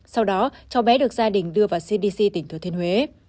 sau đó cháu bé được gia đình đưa vào cdc tỉnh thừa thiên huế